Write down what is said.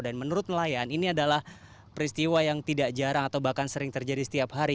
dan menurut nelayan ini adalah peristiwa yang tidak jarang atau bahkan sering terjadi setiap hari